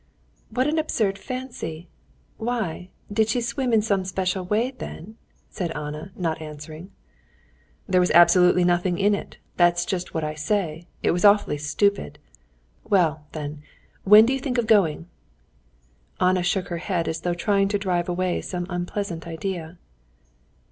"What an absurd fancy! Why, did she swim in some special way, then?" said Anna, not answering. "There was absolutely nothing in it. That's just what I say, it was awfully stupid. Well, then, when do you think of going?" Anna shook her head as though trying to drive away some unpleasant idea.